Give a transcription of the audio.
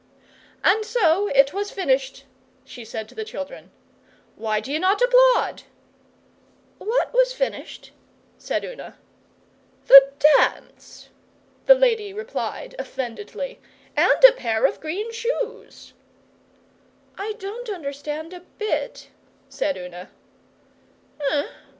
'And so it was finished,' she said to the children. 'Why d'you not applaud?' 'What was finished?' said Una. 'The dance,' the lady replied offendedly. 'And a pair of green shoes.' 'I don't understand a bit,' said Una.